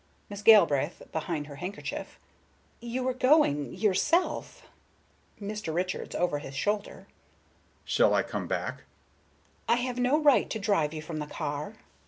Miss Galbraith, behind her handkerchief: "You were going, yourself." Mr. Richards, over his shoulder: "Shall I come back?" Miss Galbraith: "I have no right to drive you from the car."